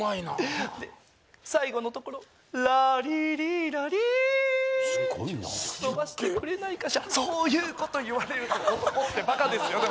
で最後のところラーリーリーラリー伸ばしてくれないかしらそういうこと言われると男ってバカですよね